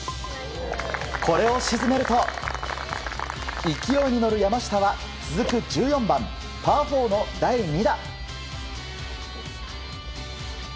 これを沈めると勢いに乗る山下は続く１４番、パー４の第２打。